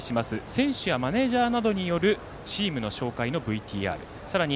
選手やマネージャーなどによるチームの紹介のＶＴＲさらに